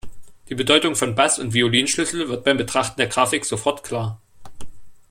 Die Bedeutung von Bass- und Violinschlüssel wird beim Betrachten der Grafik sofort klar.